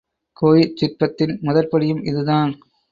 கோயிற் சிற்பத்தின் முதற்படியும் இதுதான்.